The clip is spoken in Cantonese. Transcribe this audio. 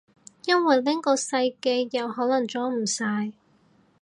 因為拎個細嘅又可能裝唔晒